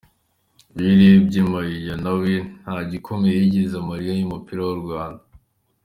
Iyo urebye Mayuya na we nta gikomeye yigeze amarira umupira w’u Rwanda.